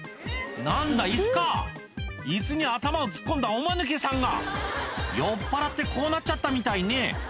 何だ椅子か椅子に頭を突っ込んだおマヌケさんが酔っぱらってこうなっちゃったみたいね